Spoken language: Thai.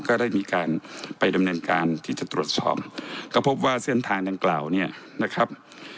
ก็ได้มีการไปดำเนินการที่จะตรวจสอบก็พบว่าเส้นทางดังกล่าวเนี่ยนะครับ